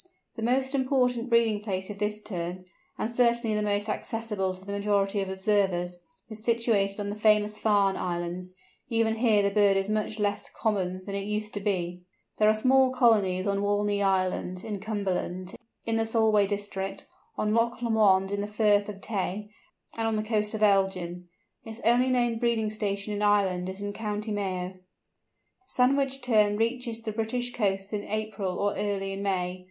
The most important breeding place of this Tern, and certainly the most accessible to the majority of observers, is situated on the famous Farne Islands; even here the bird is much less common than it used to be. There are small colonies on Walney Island, in Cumberland, in the Solway district, on Loch Lomond, in the Firth of Tay, and on the coast of Elgin. Its only known breeding station in Ireland is in Co. Mayo. The Sandwich Tern reaches the British coasts in April or early in May.